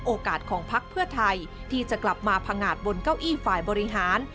โอกาสของพักเพื่อไทยที่จะกลับมาพังงาดบนเก้าอี้ฝ่ายบริหาร